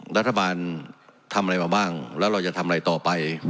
รัฐบาลทำอะไรมาบ้างแล้วเราจะทำอะไรต่อไป